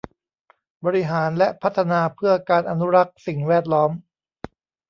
บริหารและพัฒนาเพื่อการอนุรักษ์สิ่งแวดล้อม